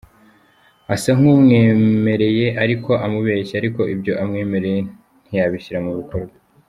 Asa nk’umwemereye ariko amubeshya ariko ibyo amwemereye ntiyabishyira mu bikorwa.